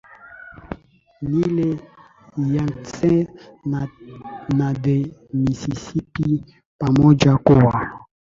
Nile Yangtze na the Mississippi pamoja Kuwa